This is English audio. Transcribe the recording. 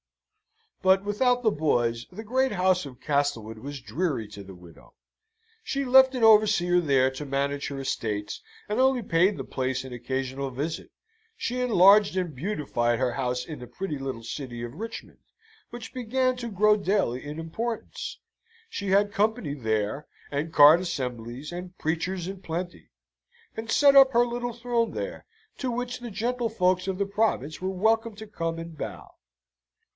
But, without the boys, the great house of Castlewood was dreary to the widow. She left an overseer there to manage her estates, and only paid the place an occasional visit. She enlarged and beautified her house in the pretty little city of Richmond, which began to grow daily in importance. She had company there, and card assemblies, and preachers in plenty; and set up her little throne there, to which the gentlefolks of the province were welcome to come and bow.